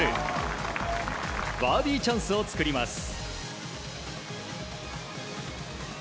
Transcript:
バーディーチャンスを作ります。